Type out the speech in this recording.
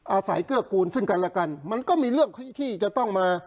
อาศัยเกื้อกูลซึ่งกันและกันมันก็มีเรื่องที่จะต้องมา